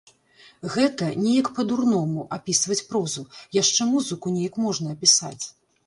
Гэта неяк па-дурному, апісваць прозу, яшчэ музыку неяк можна апісаць.